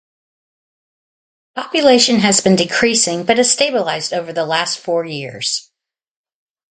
The population has been decreasing but has stabilized over the last four years.